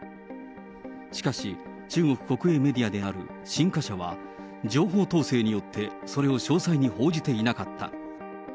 しかし、中国国営メディアである新華社は、情報統制によって、それを詳細に報じていなかった。